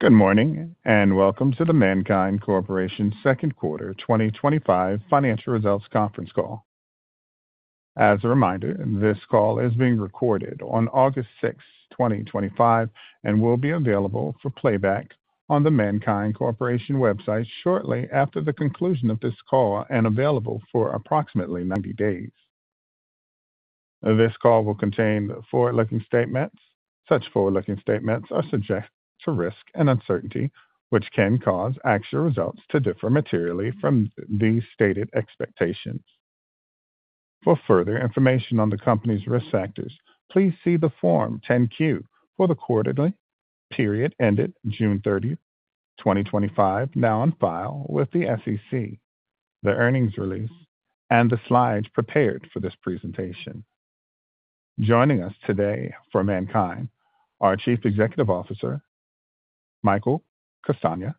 Good morning and welcome to the MannKind Corporation Second Quarter 2025 Financial Results Conference Call. As a reminder, this call is being recorded on August 6, 2025, and will be available for playback on the MannKind Corporation website shortly after the conclusion of this call and available for approximately 90 days. This call will contain forward-looking statements. Such forward-looking statements are subject to risk and uncertainty, which can cause actual results to differ materially from these stated expectations. For further information on the company's risk factors, please see the Form 10-Q for the quarterly period ended June 30, 2025, now on file with the SEC, the earnings release, and the slides prepared for this presentation. Joining us today from MannKind are Chief Executive Officer Michael Castagna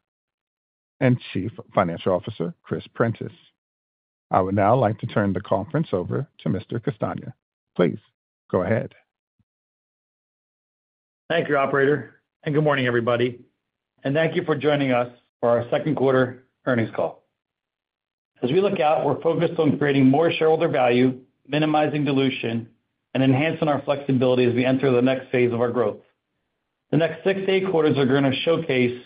and Chief Financial Officer Chris Prentiss. I would now like to turn the conference over to Mr. Castagna. Please go ahead. Thank you, Operator, and good morning, everybody. Thank you for joining us for our second quarter earnings call. As we look out, we're focused on creating more shareholder value, minimizing dilution, and enhancing our flexibility as we enter the next phase of our growth. The next six to eight quarters are going to showcase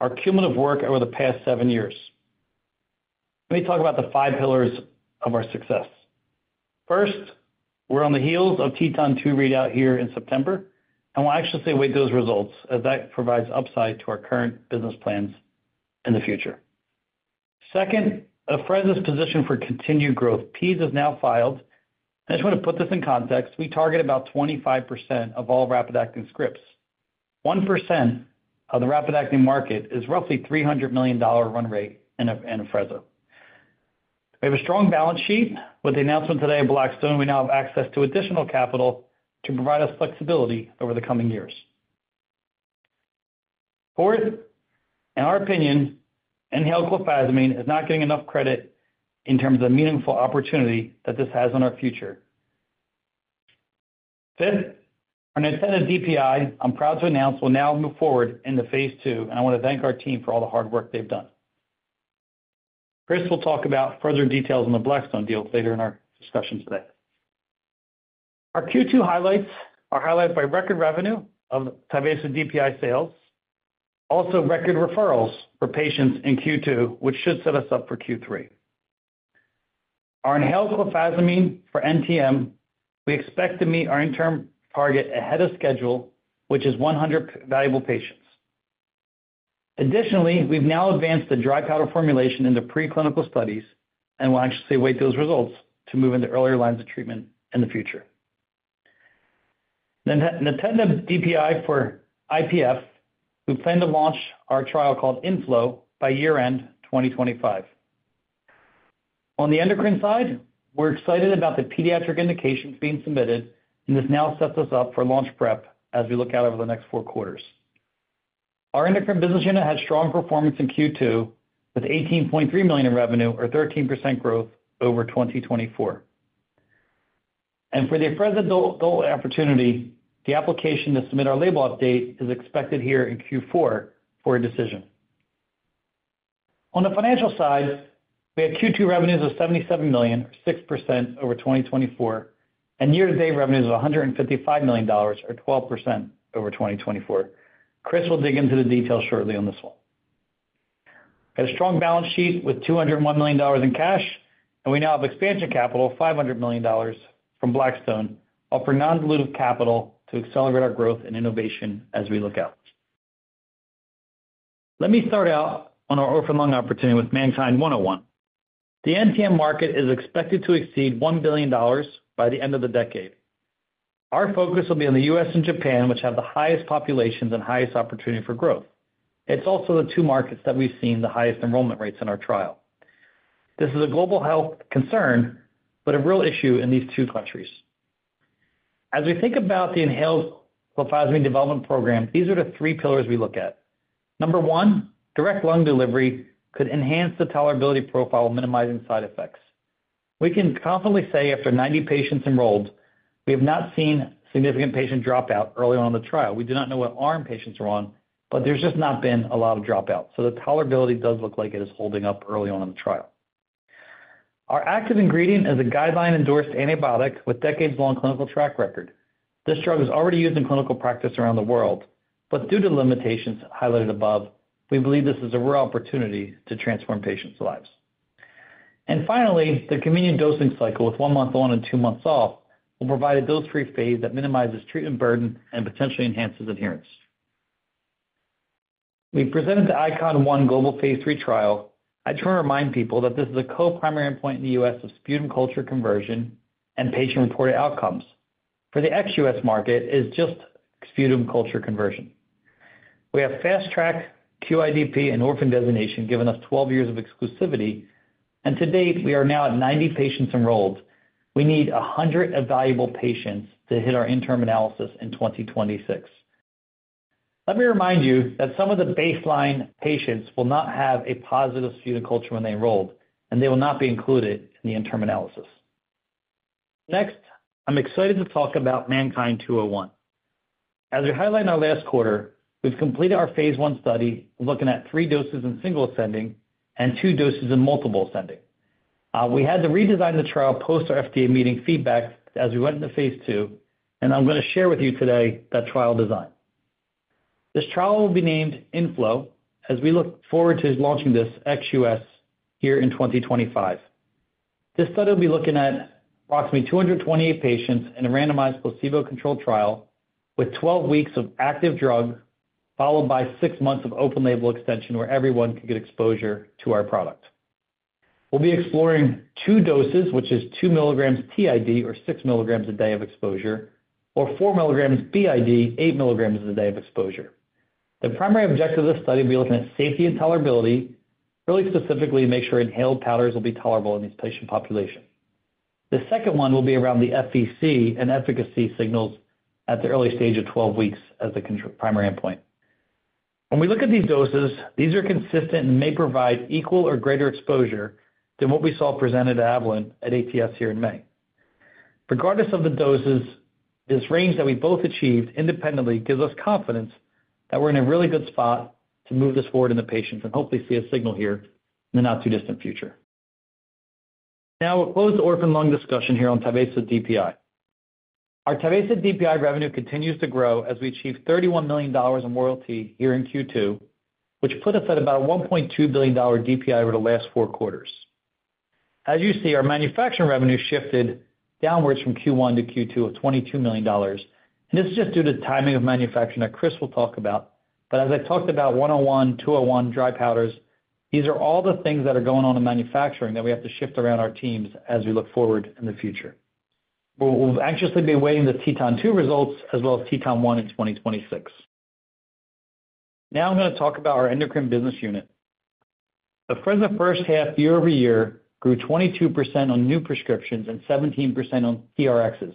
our cumulative work over the past seven years. Let me talk about the five pillars of our success. First, we're on the heels of TETON 2 readout here in September, and we'll actually await those results as that provides upside to our current business plans in the future. Second, a frantic position for continued growth. PEAS is now filed. I just want to put this in context. We target about 25% of all rapid-acting scripts. 1% of the rapid-acting market is roughly a $300 million run rate in Afrezza. We have a strong balance sheet with the announcement today of Blackstone. We now have access to additional capital to provide us flexibility over the coming years. Fourth, in our opinion, inhaled Clofazimine is not getting enough credit in terms of the meaningful opportunity that this has on our future. Fifth, our Nintedanib DPI, I'm proud to announce, will now move forward into phase II, and I want to thank our team for all the hard work they've done. Chris will talk about further details on the Blackstone deal later in our discussion today. Our Q2 highlights are highlighted by record revenue of the Tyvaso DPI sales, also record referrals for patients in Q2, which should set us up for Q3. Our inhaled Clofazimine for NTM, we expect to meet our interim target ahead of schedule, which is 100 valuable patients. Additionally, we've now advanced the dry powder formulation into preclinical studies, and we'll actually await those results to move into earlier lines of treatment in the future. Nintedanib DPI for IPF, we plan to launch our trial INFLO by year-end 2025. On the endocrine side, we're excited about the pediatric indications being submitted, and this now sets us up for launch prep as we look out over the next four quarters. Our endocrine business unit had strong performance in Q2 with $18.3 million in revenue, or 13% growth over 2024. For the Afrezza opportunity, the application to submit our label update is expected here in Q4 for a decision. On the financial side, we had Q2 revenues of $77 million, 6% over 2024, and year-to-date revenues of $155 million, or 12% over 2024. Chris will dig into the details shortly on this one. We had a strong balance sheet with $201 million in cash, and we now have expansion capital of $500 million from Blackstone, offering non-dilutive capital to accelerate our growth and innovation as we look out. Let me start out on our orphan loan opportunity with MannKind 101. The NTM market is expected to exceed $1 billion by the end of the decade. Our focus will be on the U.S. and Japan, which have the highest populations and highest opportunity for growth. It's also the two markets that we've seen the highest enrollment rates in our trial. This is a global health concern, but a real issue in these two countries. As we think about the inhaled Clofazimine development program, these are the three pillars we look at. Number one, direct lung delivery could enhance the tolerability profile, minimizing side effects. We can confidently say after 90 patients enrolled, we have not seen significant patient dropout early on in the trial. We do not know what arm patients are on, but there's just not been a lot of dropout. The tolerability does look like it is holding up early on in the trial. Our active ingredient is a guideline-endorsed antibiotic with a decades-long clinical track record. This drug is already used in clinical practice around the world, but due to limitations highlighted above, we believe this is a real opportunity to transform patients' lives. Finally, the convenient dosing cycle with one month on and two months off will provide a dose-free phase that minimizes treatment burden and potentially enhances adherence. We've presented the ICON-1 global phase III trial. I try to remind people that this is a co-primary endpoint in the U.S. of sputum culture conversion and patient-reported outcomes. For the ex-U.S. market, it is just sputum culture conversion. We have fast track, QIDP, and Orphan designation giving us 12 years of exclusivity, and to date, we are now at 90 patients enrolled. We need 100 valuable patients to hit our interim analysis in 2026. Let me remind you that some of the baseline patients will not have a positive sputum culture when they enrolled, and they will not be included in the interim analysis. Next, I'm excited to talk about MannKind 201. As we highlight in our last quarter, we've completed our phase 1 study looking at three doses in single ascending and two doses in multiple ascending. We had to redesign the trial post our FDA meeting feedback as we went into phase II, and I'm going to share with you today that trial design. This trial will be named INFLO, as we look forward to launching this ex-U.S. here in 2025. This study will be looking at approximately 220 patients in a randomized placebo-controlled trial with 12 weeks of active drug, followed by six months of open label extension where everyone could get exposure to our product. We'll be exploring two doses, which is 2 mg TID or 6 mg a day of exposure, or 4 mg BID, 8 mg a day of exposure. The primary objective of this study will be looking at safety and tolerability, really specifically to make sure inhaled powders will be tolerable in these patient populations. The second one will be around the FVC and efficacy signals at the early stage of 12 weeks as the primary endpoint. When we look at these doses, these are consistent and may provide equal or greater exposure than what we saw presented at Avalon at ATS here in May. Regardless of the doses, this range that we both achieved independently gives us confidence that we're in a really good spot to move this forward in the patients and hopefully see a signal here in the not-too-distant future. Now, we'll close the orphan loan discussion here on Tyvaso DPI. Our Tyvaso DPI revenue continues to grow as we achieve $31 million in royalty here in Q2, which put us at about a $1.2 billion DPI over the last four quarters. As you see, our manufacturing revenue shifted downwards from Q1 to Q2 of $22 million, and this is just due to timing of manufacturing that Chris will talk about. As I talked about 101, 201, dry powders, these are all the things that are going on in manufacturing that we have to shift around our teams as we look forward in the future. We'll anxiously be awaiting the TETON 2 results as well as TETON 1 in 2026. Now I'm going to talk about our endocrine business unit. Afrezza first half year-over-year grew 22% on new prescriptions and 17% on TRxs.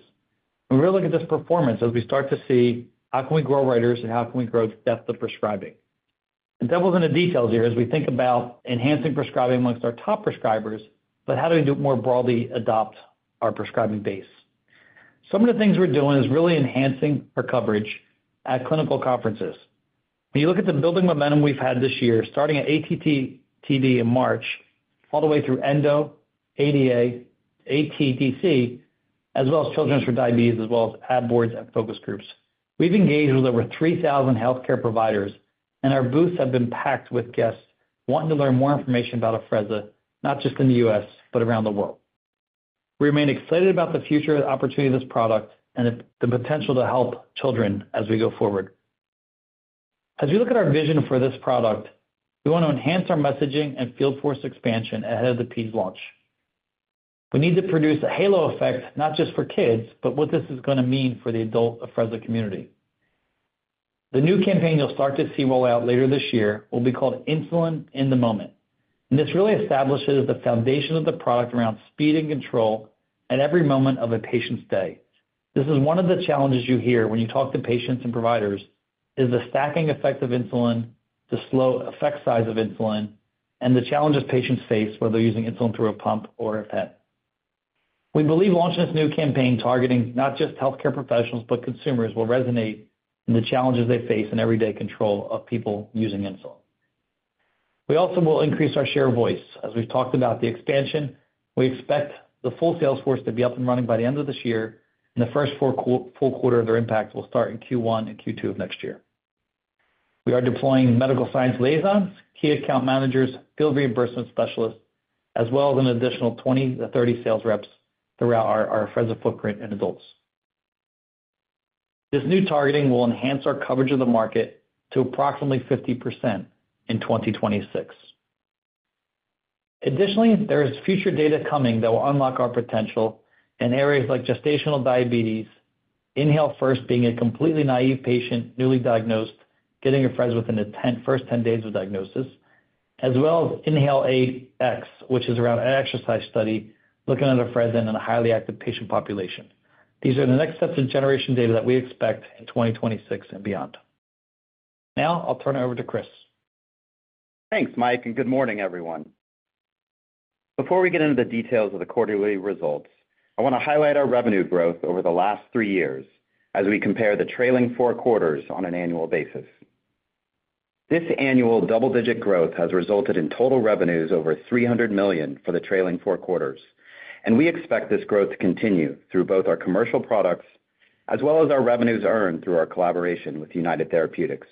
We're going to look at this performance as we start to see how can we grow writers and how can we grow the depth of prescribing. It doubles into details here as we think about enhancing prescribing amongst our top prescribers, but how do we do it more broadly to adopt our prescribing base? Some of the things we're doing is really enhancing our coverage at clinical conferences. When you look at the building momentum we've had this year, starting at ATTD in March, all the way through ENDO, ADA, ADCES, as well as Children with Diabetes, as well as AB boards and focus groups. We've engaged with over 3,000 healthcare providers, and our booths have been packed with guests wanting to learn more information about Afrezza, not just in the U.S., but around the world. We remain excited about the future opportunity of this product and the potential to help children as we go forward. As we look at our vision for this product, we want to enhance our messaging and field force expansion ahead of the PEAS launch. We need to produce a halo effect, not just for kids, but what this is going to mean for the adult Afrezza community. The new campaign you'll start to see roll out later this year will be called Insulin in the Moment. This really establishes the foundation of the product around speed and control at every moment of a patient's day. One of the challenges you hear when you talk to patients and providers is the stacking effect of insulin, the slow effect size of insulin, and the challenges patients face whether they're using insulin through a pump or a pen. We believe launching this new campaign targeting not just healthcare professionals, but consumers will resonate in the challenges they face in everyday control of people using insulin. We also will increase our share of voice. As we've talked about the expansion, we expect the full sales force to be up and running by the end of this year, and the first full quarter of their impact will start in Q1 and Q2 of next year. We are deploying medical science liaisons, key account managers, field reimbursement specialists, as well as an additional 20-30 sales reps throughout our Afrezza footprint in adults. This new targeting will enhance our coverage of the market to approximately 50% in 2026. Additionally, there is future data coming that will unlock our potential in areas like gestational diabetes, INHALE first being a completely naive patient newly diagnosed, getting Afrezza within the first 10 days of diagnosis, as well as INHALE Aid X, which is around an exercise study looking at Afrezza in a highly active patient population. These are the next steps in generation data that we expect in 2026 and beyond. Now I'll turn it over to Chris. Thanks, Mike, and good morning, everyone. Before we get into the details of the quarterly results, I want to highlight our revenue growth over the last three years as we compare the trailing four quarters on an annual basis. This annual double-digit growth has resulted in total revenues over $300 million for the trailing four quarters, and we expect this growth to continue through both our commercial products as well as our revenues earned through our collaboration with United Therapeutics.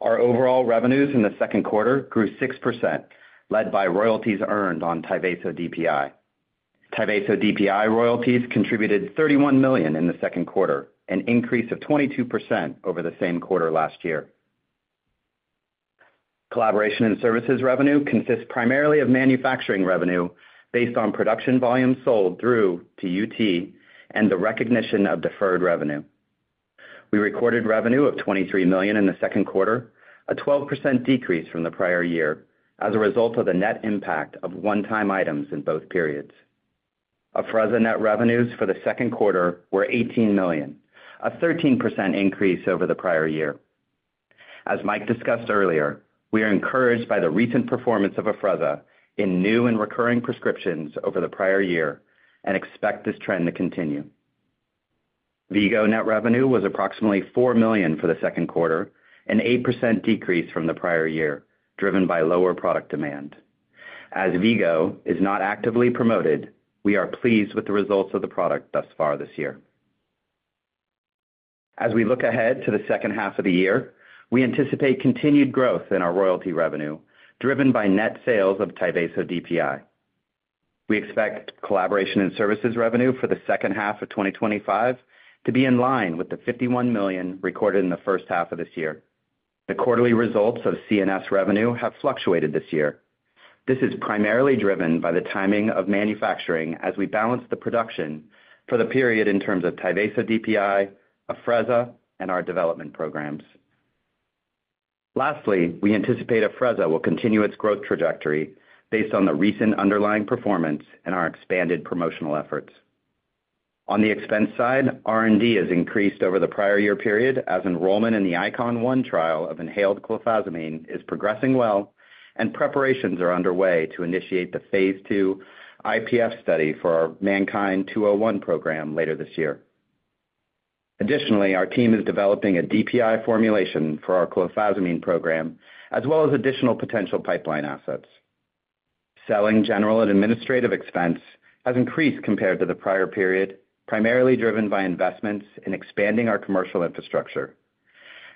Our overall revenues in the second quarter grew 6%, led by royalties earned on Tyvaso DPI. Tyvaso DPI royalties contributed $31 million in the second quarter, an increase of 22% over the same quarter last year. Collaboration and services revenue consists primarily of manufacturing revenue based on production volume sold through to UT and the recognition of deferred revenue. We recorded revenue of $23 million in the second quarter, a 12% decrease from the prior year as a result of the net impact of one-time items in both periods. Afrezza net revenues for the second quarter were $18 million, a 13% increase over the prior year. As Mike discussed earlier, we are encouraged by the recent performance of Afrezza in new and recurring prescriptions over the prior year and expect this trend to continue. V-Go net revenue was approximately $4 million for the second quarter, an 8% decrease from the prior year, driven by lower product demand. As V-Go is not actively promoted, we are pleased with the results of the product thus far this year. As we look ahead to the second half of the year, we anticipate continued growth in our royalty revenue, driven by net sales of Tyvaso DPI. We expect collaboration and services revenue for the second half of 2025 to be in line with the $51 million recorded in the first half of this year. The quarterly results of contract manufacturing services revenue have fluctuated this year. This is primarily driven by the timing of manufacturing as we balance the production for the period in terms of Tyvaso DPI, Afrezza, and our development programs. Lastly, we anticipate Afrezza will continue its growth trajectory based on the recent underlying performance and our expanded promotional efforts. On the expense side, R&D has increased over the prior year period as enrollment in the ICON-1 trial of inhaled Clofazimine is progressing well, and preparations are underway to initiate the phase II IPF study for our MannKind 201 program later this year. Additionally, our team is developing a DPI formulation for our Clofazimine program, as well as additional potential pipeline assets. Selling, general, and administrative expense has increased compared to the prior period, primarily driven by investments in expanding our commercial infrastructure.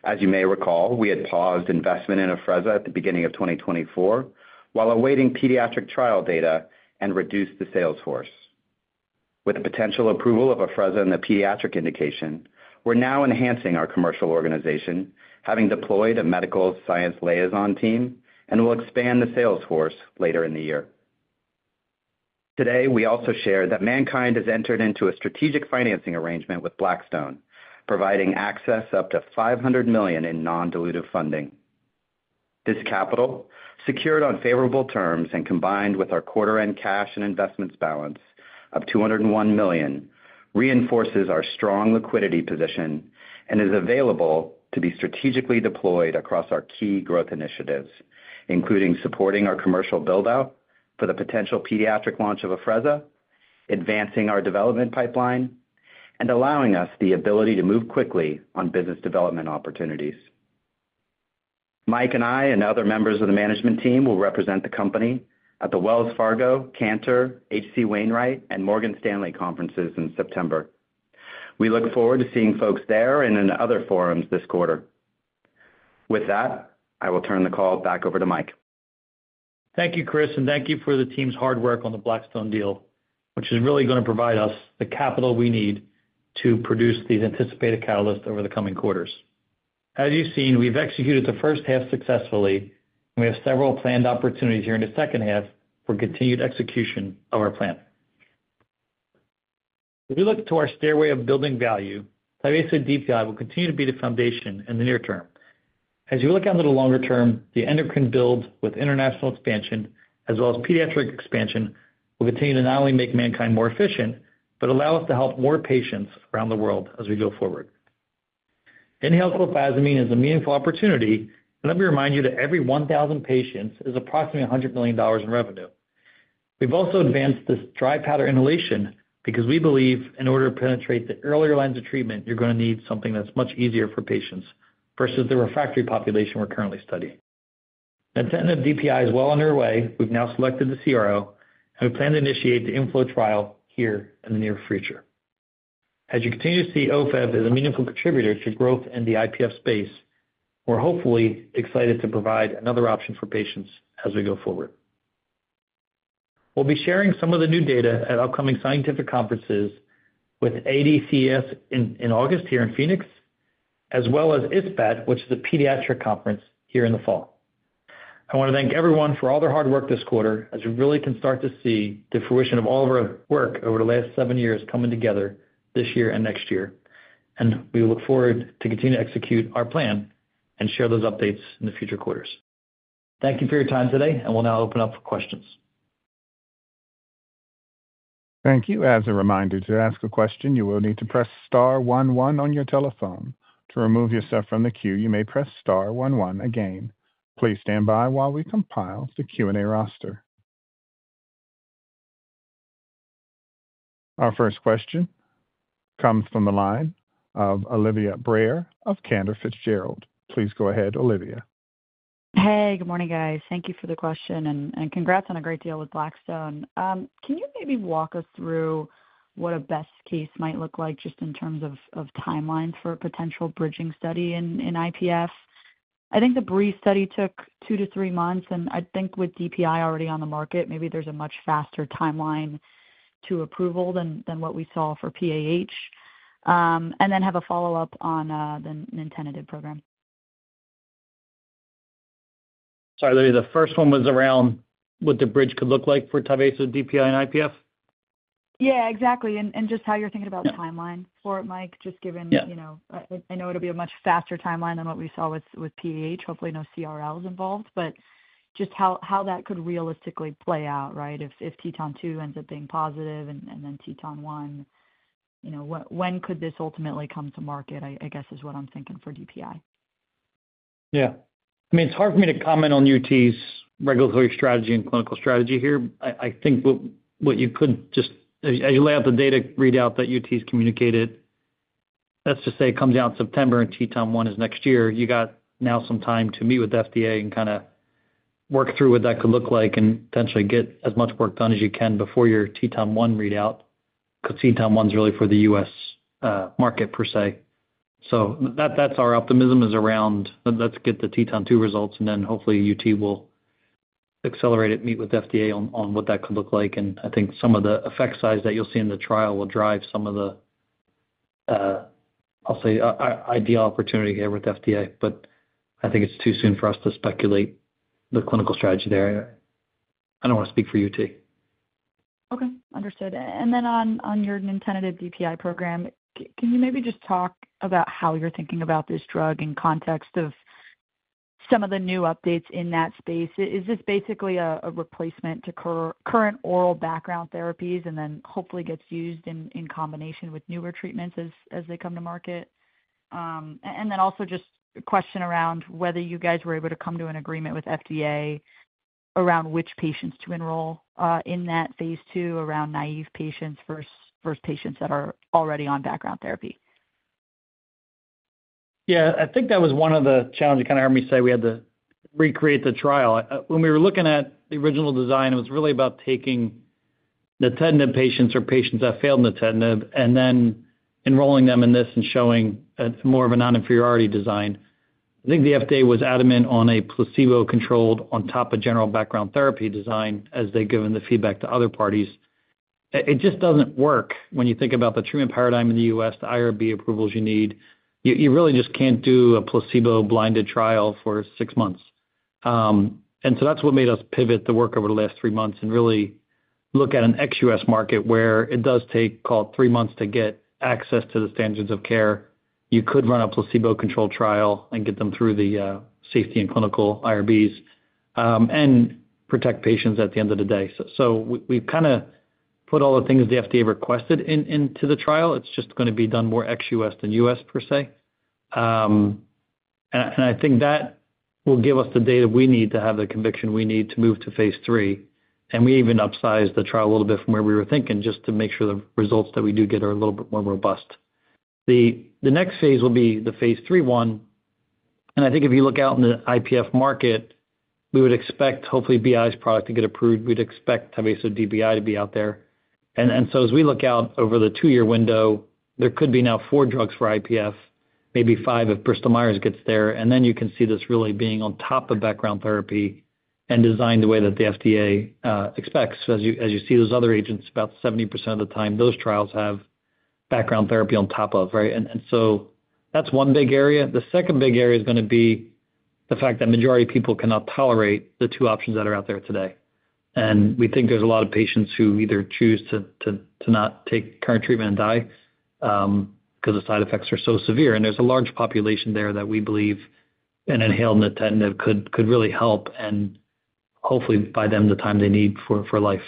As you may recall, we had paused investment in Afrezza at the beginning of 2024 while awaiting pediatric trial data and reduced the sales force. With the potential approval of Afrezza in the pediatric indication, we're now enhancing our commercial organization, having deployed a medical science liaison team, and we'll expand the sales force later in the year. Today, we also shared that MannKind has entered into a strategic financing arrangement with Blackstone, providing access up to $500 million in non-dilutive funding. This capital, secured on favorable terms and combined with our quarter-end cash and investments balance of $201 million, reinforces our strong liquidity position and is available to be strategically deployed across our key growth initiatives, including supporting our commercial build-out for the potential pediatric launch of Afrezza, advancing our development pipeline, and allowing us the ability to move quickly on business development opportunities. Mike and I and other members of the management team will represent the company at the Wells Fargo, Cantor, H.C. Wainwright, and Morgan Stanley conferences in September. We look forward to seeing folks there and in other forums this quarter. With that, I will turn the call back over to Mike. Thank you, Chris, and thank you for the team's hard work on the Blackstone deal, which is really going to provide us the capital we need to produce these anticipated catalysts over the coming quarters. As you've seen, we've executed the first half successfully, and we have several planned opportunities here in the second half for continued execution of our plan. If you look to our stairway of building value, Tyvaso DPI will continue to be the foundation in the near term. As you look into the longer term, the endocrine build with international expansion, as well as pediatric expansion, will continue to not only make MannKind more efficient, but allow us to help more patients around the world as we go forward. Inhaled Clofazimine is a meaningful opportunity, and let me remind you that every 1,000 patients is approximately $100 million in revenue. We've also advanced this dry powder inhalation because we believe in order to penetrate the earlier lines of treatment, you're going to need something that's much easier for patients versus the refractory population we're currently studying. Now, DPI is well on our way. We've now selected the CRO, and we plan to initiate INFLO trial here in the near future. As you continue to see OFEV as a meaningful contributor to growth in the IPF space, we're hopefully excited to provide another option for patients as we go forward. We'll be sharing some of the new data at upcoming scientific conferences with ADCES in August here in Phoenix, as well as ISPAD, which is a pediatric conference here in the fall. I want to thank everyone for all their hard work this quarter, as we really can start to see the fruition of all of our work over the last seven years coming together this year and next year. We look forward to continue to execute our plan and share those updates in the future quarters. Thank you for your time today, and we'll now open up for questions. Thank you. As a reminder, to ask a question, you will need to press star one one on your telephone. To remove yourself from the queue, you may press star one one again. Please stand by while we compile the Q&A roster. Our first question comes from the line of Olivia Brayer of Cantor Fitzgerald. Please go ahead, Olivia. Hey, good morning, guys. Thank you for the question, and congrats on a great deal with Blackstone. Can you maybe walk us through what a best case might look like just in terms of timeline for a potential bridging study in IPF? I think the Bree study took two to three months, and I think with DPI already on the market, maybe there's a much faster timeline to approval than what we saw for PAH, and then have a follow-up on the Nintedanib program. Sorry, the first one was around what the bridge could look like for Tyvaso DPI and IPF? Yeah, exactly, and just how you're thinking about timeline for it, Mike, just given, you know, I know it'll be a much faster timeline than what we saw with PAH, hopefully no CRL is involved, but just how that could realistically play out, right? If TETON 2 ends up being positive and then TETON 1, you know, when could this ultimately come to market, I guess, is what I'm thinking for DPI. Yeah, I mean, it's hard for me to comment on UT's regulatory strategy and clinical strategy here. I think what you could just, as you lay out the data readout that UT has communicated, let's just say it comes out in September and TETON 1 is next year, you have now some time to meet with the FDA and kind of work through what that could look like and potentially get as much work done as you can before your TETON 1 readout, because TETON 1 is really for the U.S. market per se. That's our optimism, is around let's get the TETON 2 results and then hopefully UT will accelerate it, meet with the FDA on what that could look like. I think some of the effect size that you'll see in the trial will drive some of the, I'll say, ideal opportunity here with the FDA, but I think it's too soon for us to speculate the clinical strategy there. I don't want to speak for UT. Okay, understood. On your Nintedanib DPI program, can you maybe just talk about how you're thinking about this drug in context of some of the new updates in that space? Is this basically a replacement to current oral background therapies and hopefully gets used in combination with newer treatments as they come to market? Also, just a question around whether you guys were able to come to an agreement with the FDA around which patients to enroll in that phase II, around naive patients versus patients that are already on background therapy? Yeah, I think that was one of the challenges. You kind of heard me say we had to recreate the trial. When we were looking at the original design, it was really about taking Nintedanib patients or patients that failed Nintedanib and then enrolling them in this and showing more of a non-inferiority design. I think the FDA was adamant on a placebo-controlled on top of general background therapy design as they've given the feedback to other parties. It just doesn't work when you think about the treatment paradigm in the U.S., the IRB approvals you need. You really just can't do a placebo-blinded trial for six months. That's what made us pivot the work over the last three months and really look at an ex-U.S. market where it does take, call it, three months to get access to the standards of care. You could run a placebo-controlled trial and get them through the safety and clinical IRBs and protect patients at the end of the day. We've kind of put all the things the FDA requested into the trial. It's just going to be done more ex-U.S. than U.S. per se. I think that will give us the data we need to have the conviction we need to move to phase III. We even upsized the trial a little bit from where we were thinking just to make sure the results that we do get are a little bit more robust. The next phase will be the phase III one. I think if you look out in the IPF market, we would expect hopefully BI's product to get approved. We'd expect Tyvaso DPI to be out there. As we look out over the two-year window, there could be now four drugs for IPF, maybe five if Bristol Myers gets there. You can see this really being on top of background therapy and designed the way that the FDA expects. As you see those other agents, about 70% of the time, those trials have background therapy on top of, right? That's one big area. The second big area is going to be the fact that the majority of people cannot tolerate the two options that are out there today. We think there's a lot of patients who either choose to not take current treatment and die because the side effects are so severe. There's a large population there that we believe an inhaled Nintedanib could really help and hopefully buy them the time they need for life.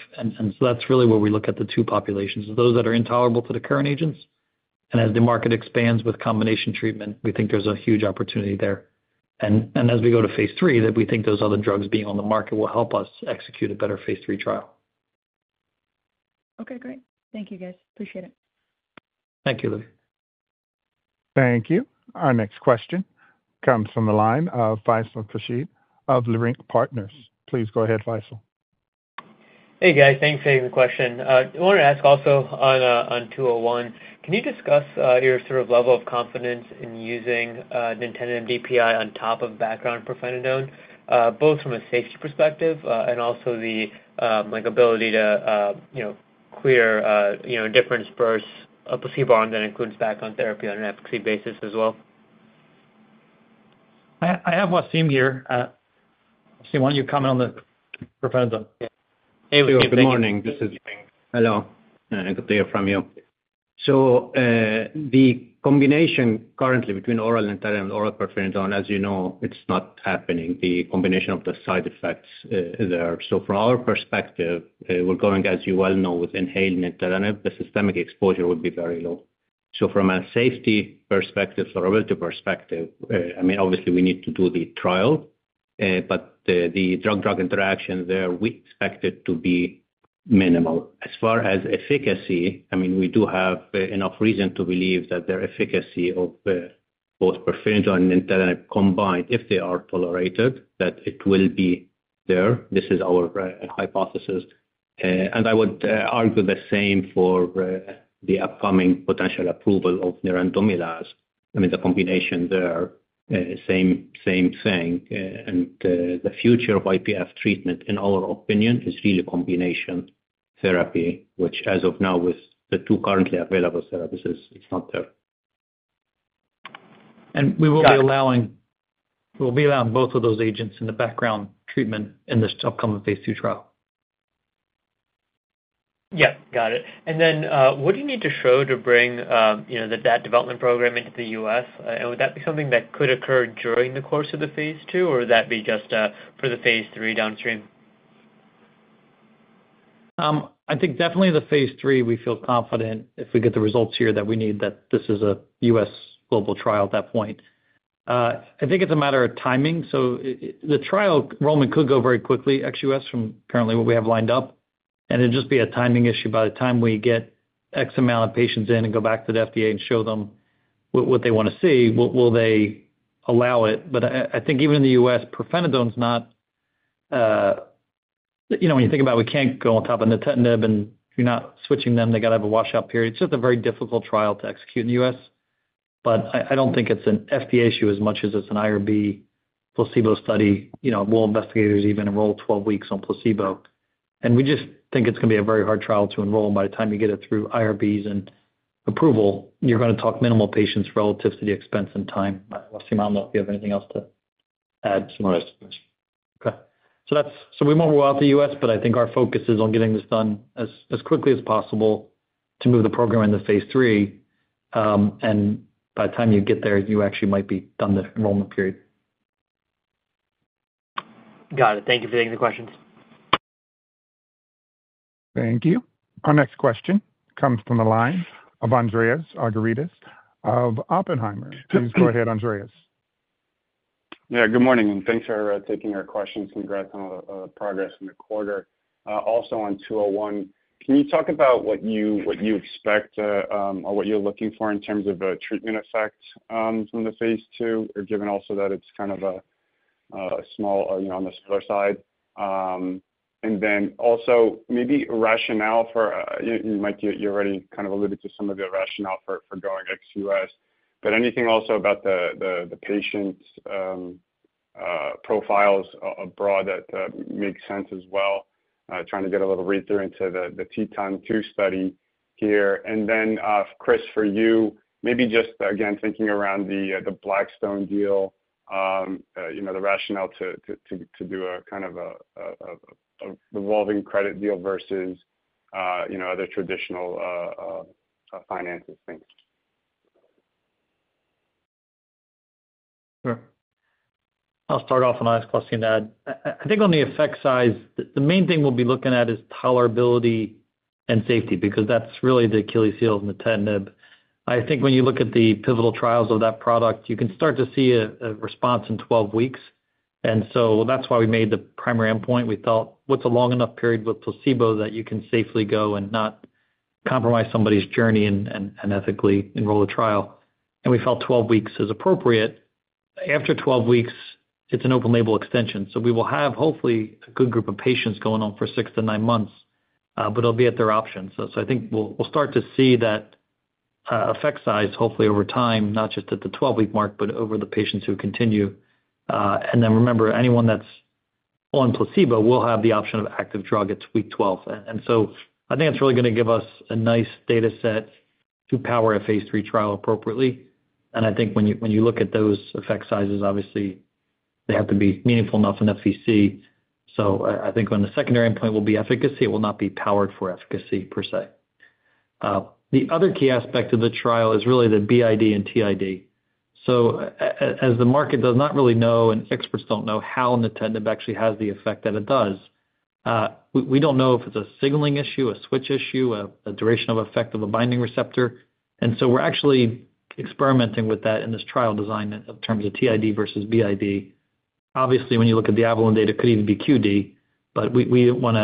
That's really where we look at the two populations, those that are intolerable to the current agents. As the market expands with combination treatment, we think there's a huge opportunity there. As we go to phase III, we think those other drugs being on the market will help us execute a better phase III trial. Okay, great. Thank you, guys. Appreciate it. Thank you, Olivia. Thank you. Our next question comes from the line of Faisal Khurshid of Leerink Partners. Please go ahead, Faisal. Hey, guys. Thanks for the question. I wanted to ask also on 201, can you discuss your sort of level of confidence in using Nintedanib DPI on top of background Pirfenidone, both from a safety perspective and also the ability to clear a difference versus a placebo arm that includes background therapy on an efficacy basis as well? I have Wassim Fares here. I see one of you coming on the Pirfenidone. Hey, Olivia. Good morning. This is Wassim. Hello. Good to hear from you. The combination currently between oral Nintedanib and oral Pirfenidone, as you know, it's not happening. The combination of the side effects there. From our perspective, we're going, as you well know, with inhaled Nintedanib. The systemic exposure would be very low. From a safety perspective, a relative perspective, I mean, obviously, we need to do the trial. The drug-drug interaction there, we expect it to be minimal. As far as efficacy, I mean, we do have enough reason to believe that the efficacy of both Pirfenidone and Nintedanib combined, if they are tolerated, that it will be there. This is our hypothesis. I would argue the same for the upcoming potential approval of Nintedanib inhalation. The combination there, same thing. The future of IPF treatment, in our opinion, is really combination therapy, which as of now with the two currently available therapies, it's not there. We will be allowing both of those agents in the background treatment in this upcoming phase II trial. Got it. What do you need to show to bring that development program into the U.S.? Would that be something that could occur during the course of the phase II, or would that be just for the phase III downstream? I think definitely the phase III, we feel confident if we get the results here that we need that this is a U.S. global trial at that point. I think it's a matter of timing. The trial enrollment could go very quickly, ex-U.S. from currently what we have lined up. It'd just be a timing issue. By the time we get X amount of patients in and go back to the FDA and show them what they want to see, will they allow it? I think even in the U.S., Pirfenidone is not, you know, when you think about it, we can't go on top of Nintedanib and if you're not switching them, they got to have a washout period. It's just a very difficult trial to execute in the U.S. I don't think it's an FDA issue as much as it's an IRB placebo study. Will investigators even enroll 12 weeks on placebo? We just think it's going to be a very hard trial to enroll. By the time you get it through IRBs and approval, you're going to talk minimal patients relative to the expense and time. Wassim, I don't know if you have anything else to add similar to this. We want to roll out the U.S., but I think our focus is on getting this done as quickly as possible to move the program into phase III. By the time you get there, you actually might be done the enrollment period. Got it. Thank you for taking the questions. Thank you. Our next question comes from the lines of Andreas Argyrides of Oppenheimer. Please go ahead, Andreas. Good morning, and thanks for taking our questions. Congrats on the progress in the quarter. Also on 201, can you talk about what you expect or what you're looking for in terms of a treatment effect from the phase II, given also that it's kind of small, you know, on the smaller side? Maybe a rationale for, you already kind of alluded to some of the rationale for going ex-U.S., Is there anything about the patients' profiles abroad that makes sense as well? Trying to get a little read through into the TETON 2 study here. Chris, for you, maybe just again thinking around the Blackstone deal, the rationale to do a kind of revolving credit deal versus other traditional financing things. Sure. I'll start off on the last question to add. I think on the effect size, the main thing we'll be looking at is tolerability and safety because that's really the Achilles heel of Nintedanib. I think when you look at the pivotal trials of that product, you can start to see a response in 12 weeks. That's why we made the primary endpoint. We thought, what's a long enough period with placebo that you can safely go and not compromise somebody's journey and ethically enroll a trial? We felt 12 weeks is appropriate. After 12 weeks, it's an open-label extension. We will have hopefully a good group of patients going on for six to nine months, but it'll be at their options. I think we'll start to see that effect size hopefully over time, not just at the 12-week mark, but over the patients who continue. Remember, anyone that's on placebo will have the option of active drug at week 12. I think it's really going to give us a nice data set to power a phase III trial appropriately. I think when you look at those effect sizes, obviously, they have to be meaningful enough in FVC. I think when the secondary endpoint will be efficacy, it will not be powered for efficacy per se. The other key aspect of the trial is really the BID and TID. As the market does not really know and experts don't know how Nintedanib actually has the effect that it does, we don't know if it's a signaling issue, a switch issue, a duration of effect of a binding receptor. We're actually experimenting with that in this trial design in terms of TID versus BID. Obviously, when you look at the Avalon data, it could even be QD, but we don't want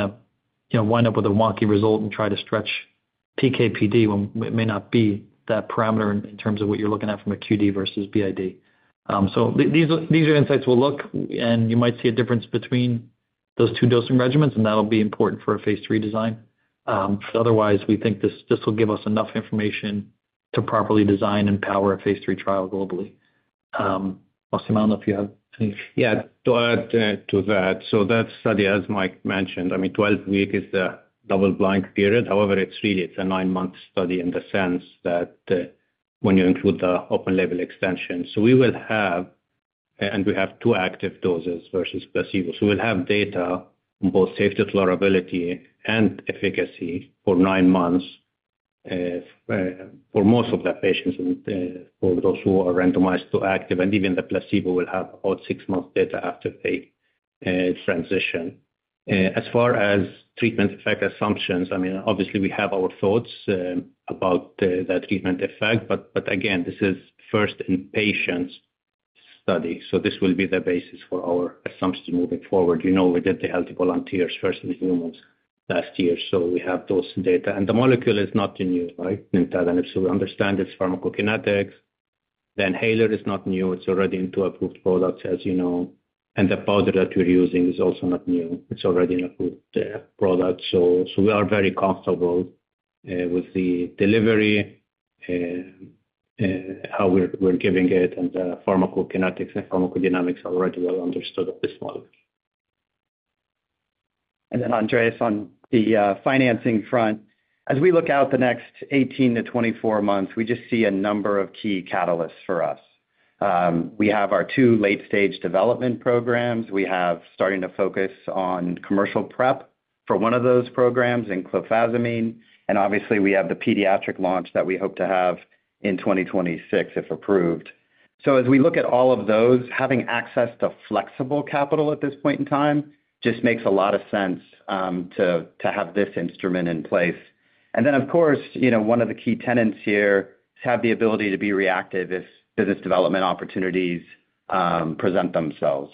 to wind up with a wonky result and try to stretch PK/PD when it may not be that parameter in terms of what you're looking at from a QD versus BID. These are insights we'll look, and you might see a difference between those two dosing regimens, and that'll be important for a phase III design. Otherwise, we think this will give us enough information to properly design and power a phase III trial globally. Wassim, I don't know if you have anything? Yeah, do that. That study, as Mike mentioned, 12 weeks is the double-blind period. However, it's really a nine-month study in the sense that when you include the open-label extension. We will have, and we have two active doses versus placebo. We'll have data on both safety, tolerability, and efficacy for nine months for most of the patients, and for those who are randomized to active, and even the placebo will have about six months data after phase transition. As far as treatment effect assumptions, we have our thoughts about the treatment effect, but again, this is first in patients' study. This will be the basis for our assumption moving forward. We did the healthy volunteers first in humans last year, so we have those data. The molecule is not new, right? Nintedanib. We understand its pharmacokinetics. The inhaler is not new. It's already in two approved products, as you know. The powder that we're using is also not new. It's already an approved product. We are very comfortable with the delivery, how we're giving it, and the pharmacokinetics and pharmacodynamics are already well understood of this model. On the financing front, as we look out the next 18 to 24 months, we just see a number of key catalysts for us. We have our two late-stage development programs. We have started to focus on commercial prep for one of those programs in Clofazimine. Obviously, we have the pediatric launch that we hope to have in 2026 if approved. As we look at all of those, having access to flexible capital at this point in time just makes a lot of sense to have this instrument in place. Of course, one of the key tenets here is to have the ability to be reactive if business development opportunities present themselves.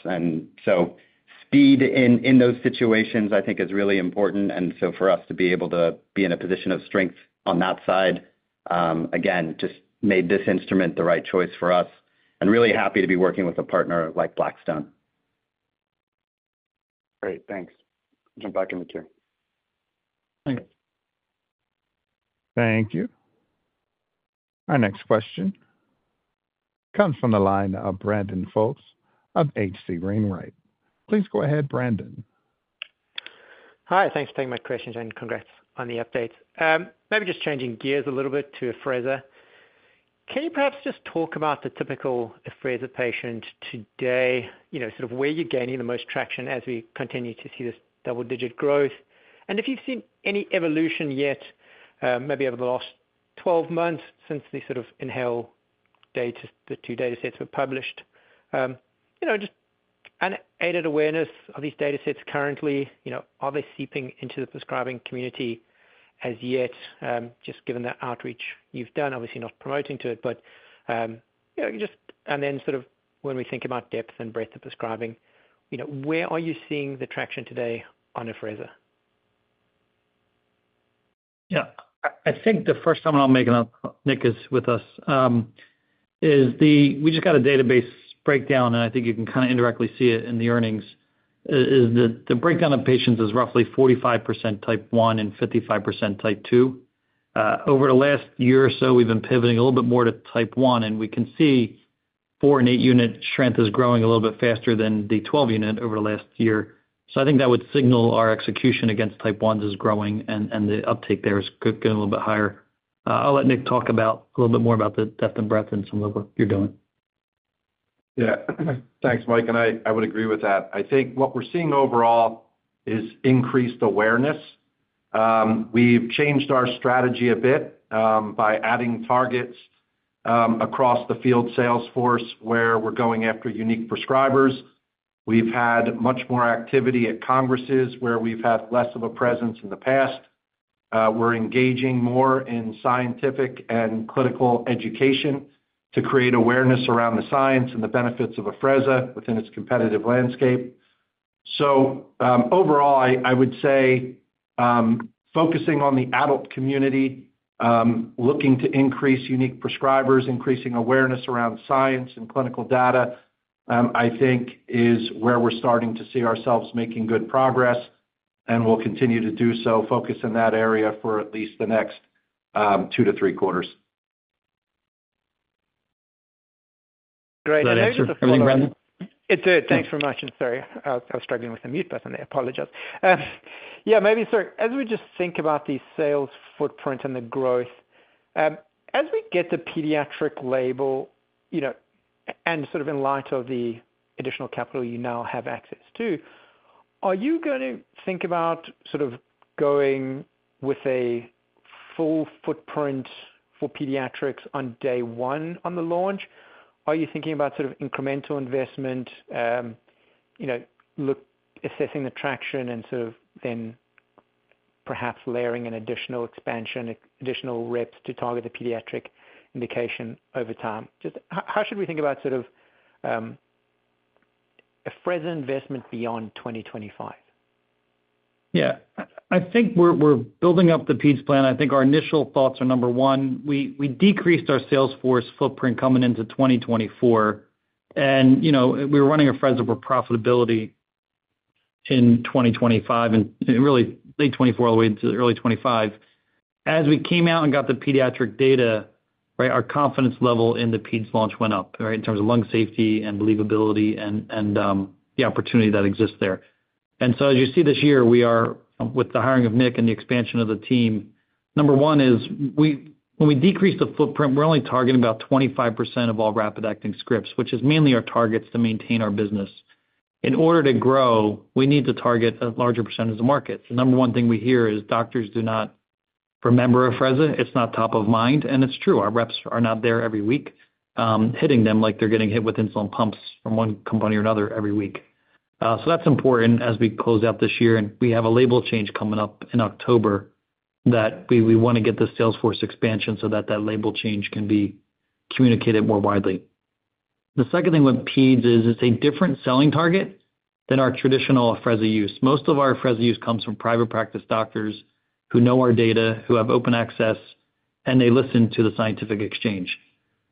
Speed in those situations, I think, is really important. For us to be able to be in a position of strength on that side, again, just made this instrument the right choice for us. Really happy to be working with a partner like Blackstone. Great, thanks. Jump back in the chair. Thank you. Our next question comes from the line of Brandon Folkes of H.C. Wainwright. Please go ahead, Brandon. Hi, thanks for taking my questions and congrats on the update. Maybe just changing gears a little bit to Afrezza. Can you perhaps just talk about the typical Afrezza patient today, you know, sort of where you're gaining the most traction as we continue to see this double-digit growth? If you've seen any evolution yet, maybe over the last 12 months since the sort of INHALE data, the two data sets were published, you know, just an added awareness of these data sets currently, you know, are they seeping into the prescribing community as yet, just given the outreach you've done? Obviously, not promoting to it, but you know, just, and then sort of when we think about depth and breadth of prescribing, you know, where are you seeing the traction today on Afrezza? Yeah, I think the first time I'll make a Nick is with us is the, we just got a database breakdown, and I think you can kind of indirectly see it in the earnings, is that the breakdown of patients is roughly 45% type 1 and 55% type 2. Over the last year or so, we've been pivoting a little bit more to type 1, and we can see four and eight unit strength is growing a little bit faster than the 12 unit over the last year. I think that would signal our execution against type 1s is growing, and the uptake there is getting a little bit higher. I'll let Nick talk about a little bit more about the depth and breadth and some of what you're doing. Yeah, thanks, Mike, and I would agree with that. I think what we're seeing overall is increased awareness. We've changed our strategy a bit by adding targets across the field sales force where we're going after unique prescribers. We've had much more activity at congresses where we've had less of a presence in the past. We're engaging more in scientific and clinical education to create awareness around the science and the benefits of Afrezza within its competitive landscape. Overall, I would say focusing on the adult community, looking to increase unique prescribers, increasing awareness around science and clinical data, I think is where we're starting to see ourselves making good progress, and we'll continue to do so, focus in that area for at least the next two to three quarters. Great, thanks. Did that answer the question, Brandon? It did. Thanks very much. Sorry, I was struggling with the mute button, I apologize. Maybe, sir, as we just think about the sales footprint and the growth, as we get the pediatric label, you know, and sort of in light of the additional capital you now have access to, are you going to think about sort of going with a full footprint for pediatrics on day one on the launch? Are you thinking about sort of incremental investment, you know, assessing the traction and then perhaps layering an additional expansion, additional reps to target the pediatric indication over time? How should we think about sort of Afrezza investment beyond 2025? Yeah, I think we're building up the PEAS plan. I think our initial thoughts are, number one, we decreased our sales force footprint coming into 2024. You know, we were running Afrezza for profitability in 2025, and really late 2024 all the way to early 2025. As we came out and got the pediatric data, our confidence level in the PEAS launch went up in terms of lung safety and believability and the opportunity that exists there. As you see this year, we are, with the hiring of Nick and the expansion of the team, number one is when we decrease the footprint, we're only targeting about 25% of all rapid-acting scripts, which is mainly our targets to maintain our business. In order to grow, we need to target a larger percentage of the market. The number one thing we hear is doctors do not remember Afrezza. It's not top of mind, and it's true. Our reps are not there every week, hitting them like they're getting hit with insulin pumps from one company or another every week. That's important as we close out this year, and we have a label change coming up in October that we want to get the sales force expansion so that that label change can be communicated more widely. The second thing with PEAS is it's a different selling target than our traditional Afrezza use. Most of our Afrezza use comes from private practice doctors who know our data, who have open access, and they listen to the scientific exchange.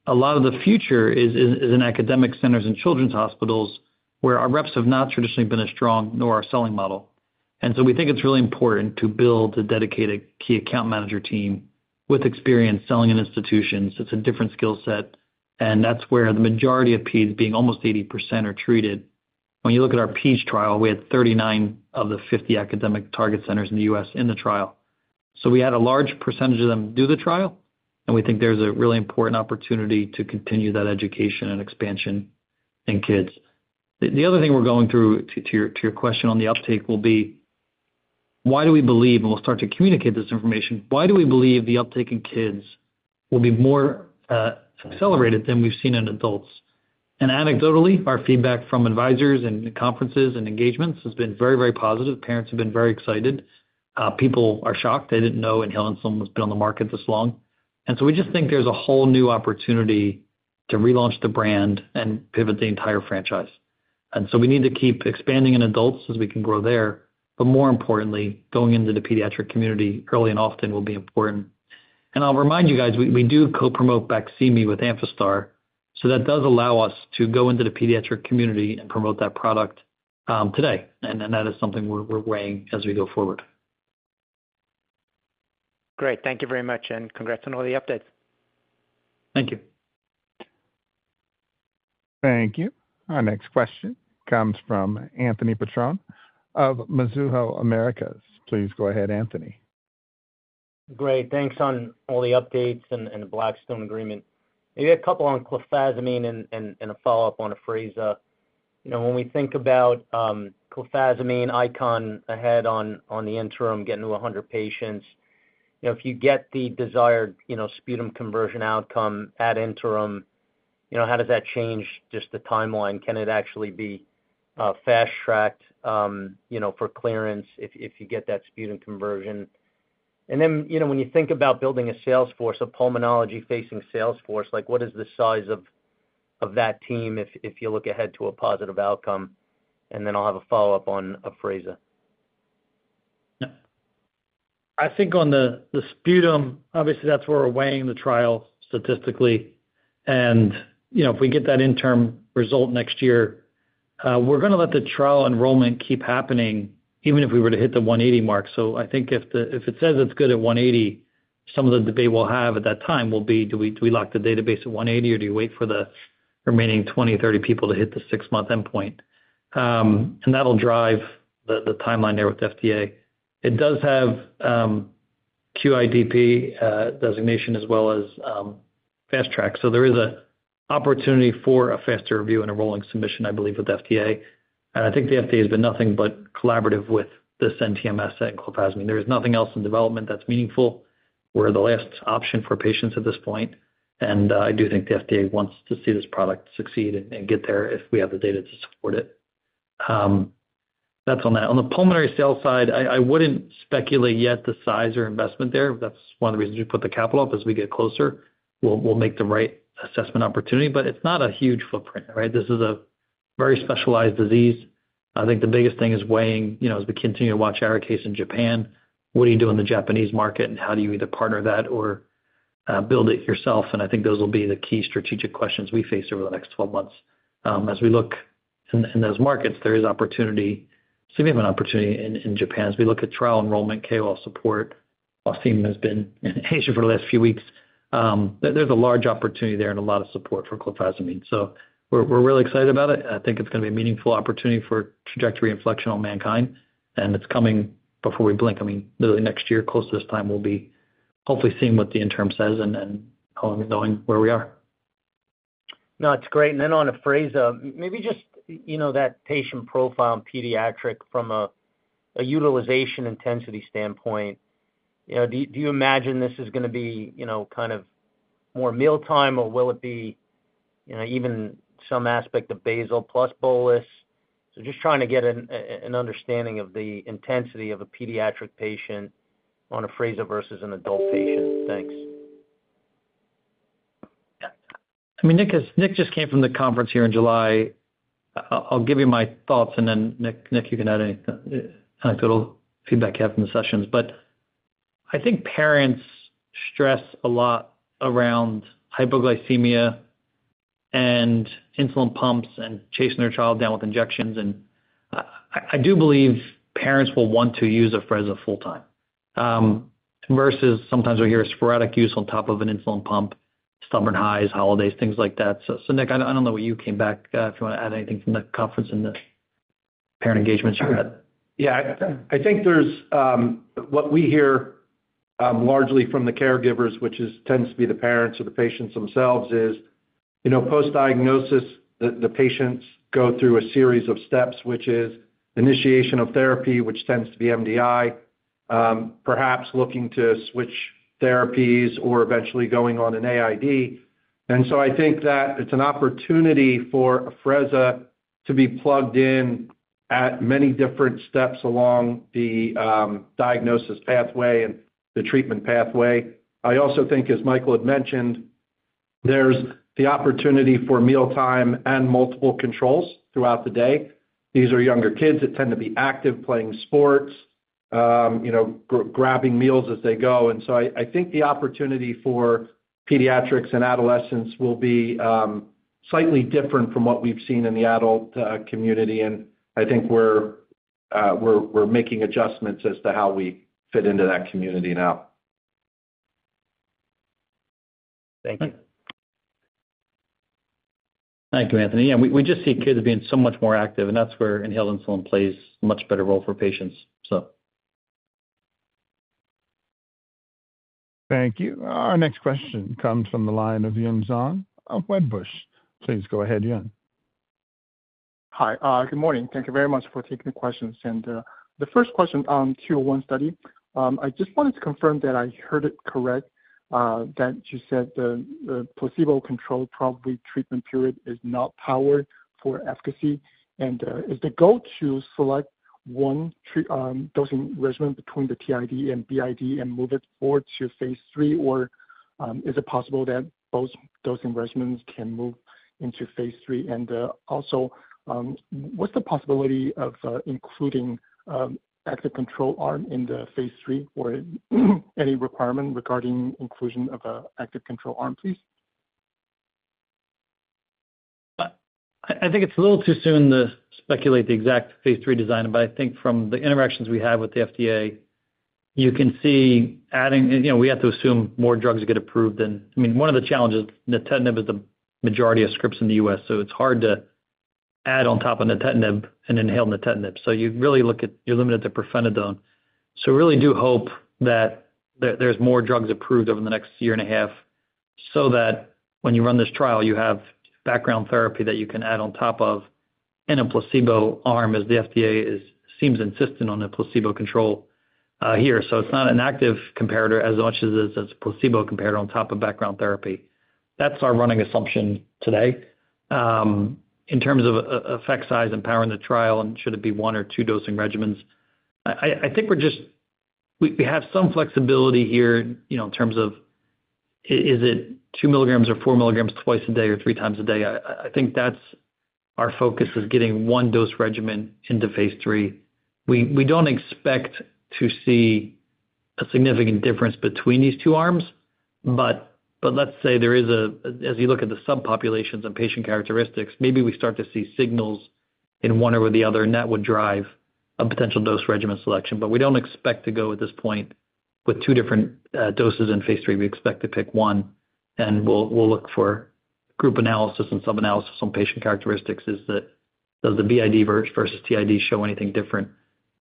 A lot of the future is in academic centers and children's hospitals where our reps have not traditionally been as strong nor our selling model. We think it's really important to build a dedicated key account manager team with experience selling in institutions. It's a different skill set, and that's where the majority of PEAS, being almost 80%, are treated. When you look at our PEAS trial, we had 39 of the 50 academic target centers in the U.S. in the trial. We had a large percentage of them do the trial, and we think there's a really important opportunity to continue that education and expansion in kids. The other thing we're going through to your question on the uptake will be, why do we believe, and we'll start to communicate this information, why do we believe the uptake in kids will be more accelerated than we've seen in adults? Anecdotally, our feedback from advisors and conferences and engagements has been very, very positive. Parents have been very excited. People are shocked. They didn't know inhaling insulin has been on the market this long. We just think there's a whole new opportunity to relaunch the brand and pivot the entire franchise. We need to keep expanding in adults as we can grow there. More importantly, going into the pediatric community early and often will be important. I'll remind you guys, we do co-promote Baqsimi with Amphastar. That does allow us to go into the pediatric community and promote that product today. That is something we're weighing as we go forward. Great, thank you very much, and congrats on all the updates. Thank you. Thank you. Our next question comes from Anthony Petrone of Mizuho Americas. Please go ahead, Anthony. Great, thanks on all the updates and the Blackstone agreement. Maybe a couple on Clofazimine and a follow-up on Afrezza. When we think about Clofazimine, ICON ahead on the interim, getting to 100 patients, if you get the desired sputum conversion outcome at interim, how does that change just the timeline? Can it actually be fast tracked for clearance if you get that sputum conversion? When you think about building a sales force, a pulmonology-facing sales force, what is the size of that team if you look ahead to a positive outcome? I'll have a follow-up on Afrezza. I think on the sputum, obviously, that's where we're weighing the trial statistically. If we get that interim result next year, we're going to let the trial enrollment keep happening even if we were to hit the 180 mark. I think if it says it's good at 180, some of the debate we'll have at that time will be, do we lock the database at 180 or do you wait for the remaining 20, 30 people to hit the six-month endpoint? That'll drive the timeline there with the FDA. It does have QIDP designation as well as fast track. There is an opportunity for a faster review and a rolling submission, I believe, with the FDA. I think the FDA has been nothing but collaborative with the SENTIEM asset and Clofazimine. There is nothing else in development that's meaningful. We're the last option for patients at this point. I do think the FDA wants to see this product succeed and get there if we have the data to support it. That's on that. On the pulmonary sale side, I wouldn't speculate yet the size or investment there. That's one of the reasons we put the capital up as we get closer. We'll make the right assessment opportunity, but it's not a huge footprint, right? This is a very specialized disease. I think the biggest thing is weighing, as we continue to watch error case in Japan, what do you do in the Japanese market and how do you either partner that or build it yourself? I think those will be the key strategic questions we face over the next 12 months. As we look in those markets, there is opportunity, significant opportunity in Japan. As we look at trial enrollment, KOL support, Wassim has been in Asia for the last few weeks. There's a large opportunity there and a lot of support for Clofazimine. We're really excited about it. I think it's going to be a meaningful opportunity for trajectory inflection on MannKind. It's coming before we blink. I mean, literally next year, close to this time, we'll be hopefully seeing what the interim says and knowing where we are. No, it's great. On Afrezza, maybe just, you know, that patient profile and pediatric from a utilization intensity standpoint, do you imagine this is going to be, you know, kind of more mealtime or will it be, you know, even some aspect of basal plus bolus? Just trying to get an understanding of the intensity of a pediatric patient on Afrezza versus an adult patient. Thanks. I mean, Nick just came from the conference here in July. I'll give you my thoughts, and then Nick, you can add any anecdotal feedback you have from the sessions. I think parents stress a lot around hypoglycemia and insulin pumps and chasing their child down with injections. I do believe parents will want to use Afrezza full time versus sometimes we hear sporadic use on top of an insulin pump, stubborn highs, holidays, things like that. Nick, I don't know what you came back if you want to add anything from the conference and the parent engagements. Yeah, I think what we hear largely from the caregivers, which tends to be the parents or the patients themselves, is, you know, post-diagnosis, the patients go through a series of steps, which is initiation of therapy, which tends to be MDI, perhaps looking to switch therapies or eventually going on an AID. I think that it's an opportunity for Afrezza to be plugged in at many different steps along the diagnosis pathway and the treatment pathway. I also think, as Michael had mentioned, there's the opportunity for mealtime and multiple controls throughout the day. These are younger kids that tend to be active, playing sports, you know, grabbing meals as they go. I think the opportunity for pediatrics and adolescents will be slightly different from what we've seen in the adult community. I think we're making adjustments as to how we fit into that community now. Thank you. Thank you, Anthony. We just see kids being so much more active, and that's where inhaled insulin plays a much better role for patients. Thank you. Our next question comes from the line of Yun Zhong of Wedbush. Please go ahead, Yun. Hi, good morning. Thank you very much for taking the questions. The first question on 201 study, I just wanted to confirm that I heard it correct, that you said the placebo-controlled probably treatment period is not powered for efficacy. Is the goal to select one dosing regimen between the TID and BID and move it forward to phase III, or is it possible that both dosing regimens can move into phase III? Also, what's the possibility of including an active control arm in the phase III, or any requirement regarding inclusion of an active control arm, please? I think it's a little too soon to speculate the exact phase III design, but I think from the interactions we have with the FDA, you can see adding, you know, we have to assume more drugs get approved than, I mean, one of the challenges Nintedanib is the majority of scripts in the U.S. It's hard to add on top of Nintedanib and inhaled Nintedanib. You really look at, you're limited to Pirfenidone. We really do hope that there's more drugs approved over the next year and a half so that when you run this trial, you have background therapy that you can add on top of in a placebo arm as the FDA seems insistent on a placebo control here. It's not an active comparator as much as it's a placebo comparator on top of background therapy. That's our running assumption today. In terms of effect size and powering the trial, and should it be one or two dosing regimens, I think we have some flexibility here, you know, in terms of is it two milligrams or four milligrams twice a day or three times a day? I think that's our focus is getting one dose regimen into phase III. We don't expect to see a significant difference between these two arms, but let's say there is a, as you look at the subpopulations and patient characteristics, maybe we start to see signals in one or the other, and that would drive a potential dose regimen selection. We don't expect to go at this point with two different doses in phase III. We expect to pick one, and we'll look for group analysis and sub-analysis on patient characteristics. Does the BID versus TID show anything different?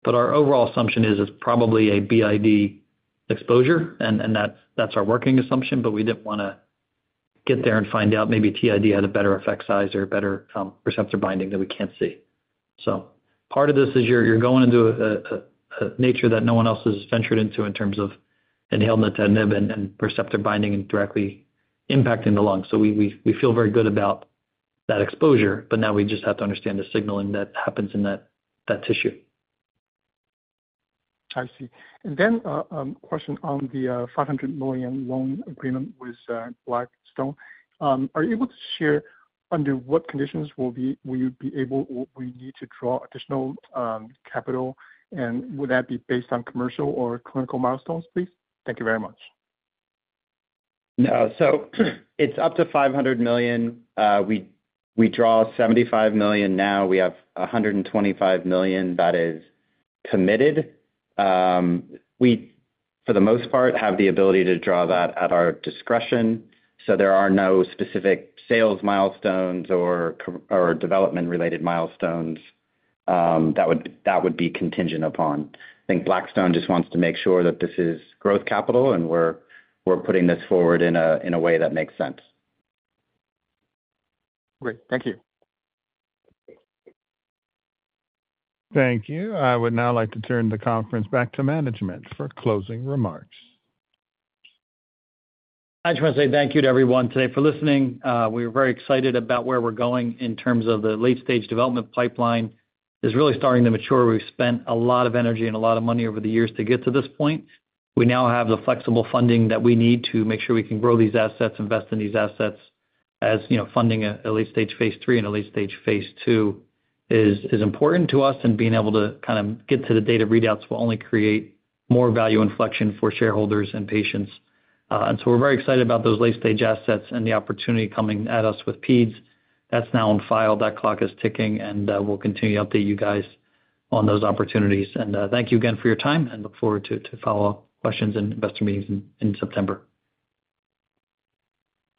Our overall assumption is it's probably a BID exposure, and that's our working assumption, but we didn't want to get there and find out maybe TID had a better effect size or a better receptor binding that we can't see. Part of this is you're going into a nature that no one else has ventured into in terms of inhaled Nintedanib and receptor binding and directly impacting the lungs. We feel very good about that exposure, but now we just have to understand the signaling that happens in that tissue. I see. A question on the $500 million loan agreement with Blackstone. Are you able to share under what conditions you will be able, will need to draw additional capital? Would that be based on commercial or clinical milestones, please? Thank you very much. No. It's up to $500 million. We draw $75 million now. We have $125 million that is committed. We, for the most part, have the ability to draw that at our discretion. There are no specific sales milestones or development-related milestones that would be contingent upon. I think Blackstone just wants to make sure that this is growth capital and we're putting this forward in a way that makes sense. Great. Thank you. Thank you. I would now like to turn the conference back to management for closing remarks. I just want to say thank you to everyone today for listening. We were very excited about where we're going in terms of the late-stage development pipeline. It's really starting to mature. We've spent a lot of energy and a lot of money over the years to get to this point. We now have the flexible funding that we need to make sure we can grow these assets, invest in these assets, as you know, funding a late-stage phase III and a late-stage phase II is important to us. Being able to kind of get to the data readouts will only create more value inflection for shareholders and patients. We're very excited about those late-stage assets and the opportunity coming at us with PEAS. That's now on file. That clock is ticking, and we'll continue to update you guys on those opportunities. Thank you again for your time, and look forward to follow-up questions and investor meetings in September.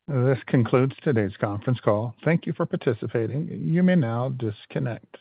This concludes today's conference call. Thank you for participating. You may now disconnect.